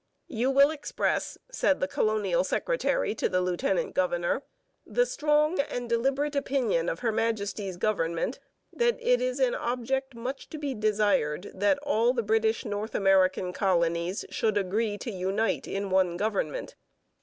'You will express,' said the colonial secretary to the lieutenant governor, 'the strong and deliberate opinion of Her Majesty's Government that it is an object much to be desired that all the British North American colonies should agree to unite in one government.'